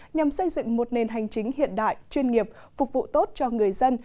nhằm xây dựng một nền hành chính hiện đại chuyên nghiệp phục vụ tốt cho người dân